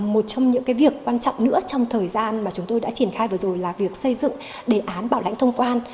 một trong những việc quan trọng nữa trong thời gian mà chúng tôi đã triển khai vừa rồi là việc xây dựng đề án bảo lãnh thông quan